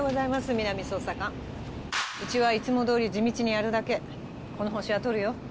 皆実捜査官うちはいつもどおり地道にやるだけこのホシは取るよ